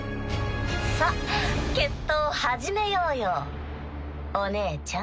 さっ決闘始めようよお姉ちゃん。